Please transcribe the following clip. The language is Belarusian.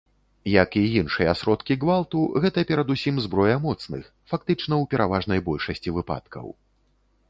Як і іншыя сродкі гвалту, гэта перадусім зброя моцных, фактычна ў пераважнай большасці выпадкаў.